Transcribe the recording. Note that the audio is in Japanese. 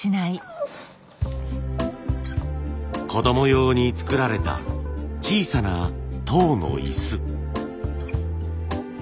子供用に作られた小さな籐の椅子。